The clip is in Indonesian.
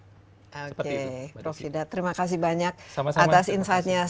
oke prof yuda terima kasih banyak atas insight nya